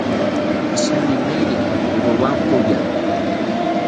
Tzimemeri romampaya